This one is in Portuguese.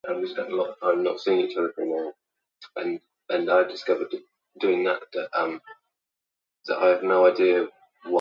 Estamos enfrentando um desafio com o versionamento do banco de dados.